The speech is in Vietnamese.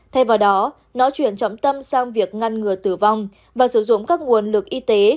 thay vào đó nó chuyển trọng tâm sang việc ngăn ngừa tử vong và sử dụng các nguồn lực y tế